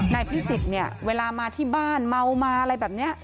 นายพิสิทธิ์เนี่ยเวลามาที่บ้านเมามาอะไรแบบนี้